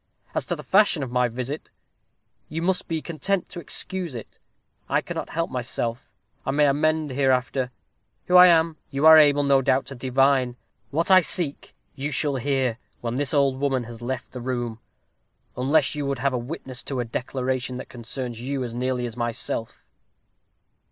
As to the fashion of my visit, you must be content to excuse it. I cannot help myself. I may amend hereafter. Who I am, you are able, I doubt not, to divine. What I seek, you shall hear, when this old woman has left the room, unless you would have a witness to a declaration that concerns you as nearly as myself."